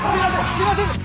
すいません！